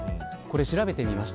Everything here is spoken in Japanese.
調べてみました。